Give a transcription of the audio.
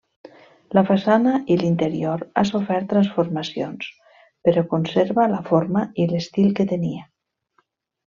La façana i l'interior ha sofert transformacions però conserva la forma i l'estil que tenia.